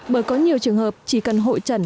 bởi có nhiều trường hợp chỉ cần hội trần